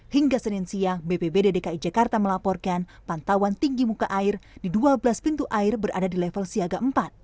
hingga senin siang bpbd dki jakarta melaporkan pantauan tinggi muka air di dua belas pintu air berada di level siaga empat